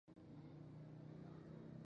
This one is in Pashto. هغه له شعر او ادبیاتو سره ډېره مینه لرله